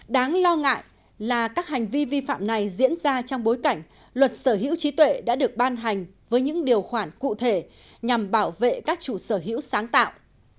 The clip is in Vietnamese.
đáng lo ngại là các hành vi vi phạm này diễn ra trong bối cảnh luật sở hữu trí tuệ đã được ban hành với những điều khoản cụ thể nhằm bảo vệ các chủ sở hữu sáng tạo